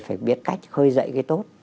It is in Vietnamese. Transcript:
phải biết cách khơi dậy cái tốt